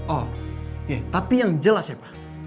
oh ya tapi yang jelas ya pak